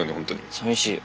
さみしいよ。